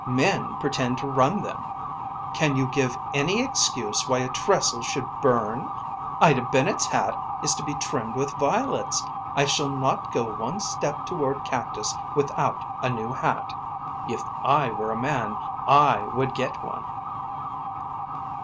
Men pretend to run them. Can you give any excuse why a trestle should burn? Ida Bennet's hat is to be trimmed with violets. I shall not go one step toward Cactus without a new hat. If I were a man I would get one."